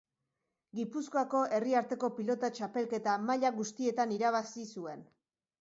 Gipuzkoako Herri Arteko Pilota txapelketa maila guztietan irabazi zuen.